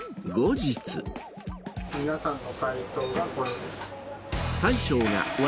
皆さんの回答がこれです。